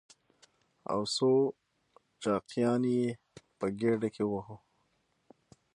او څو چاقيانې يې په ګېډه کې ووهو.